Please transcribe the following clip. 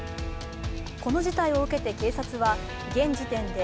この事態を受けて警察は現時点で